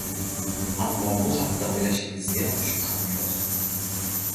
Ammo bu haqda o‘ylashingizga shubham yo‘q.